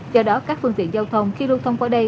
do đó các phương tiện giao thông khi lưu thông qua đây